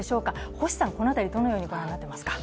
星さん、この辺りどのようにご覧になっていますか？